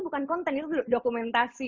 bukan konten itu dokumentasi